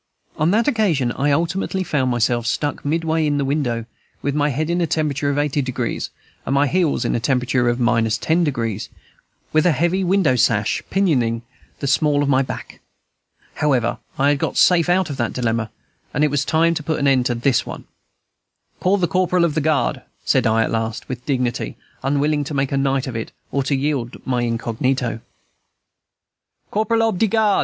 On that occasion I ultimately found myself stuck midway in the window, with my head in a temperature of 80 degrees, and my heels in a temperature of 10 degrees, with a heavy windowsash pinioning the small of my back. However, I had got safe out of that dilemma, and it was time to put an end to this one, "Call the corporal of the guard," said I at last, with dignity, unwilling to make a night of it or to yield my incognito. "Corporal ob de guard!"